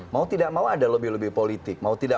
mau tidak mau ada lebih lebih politik mau tidak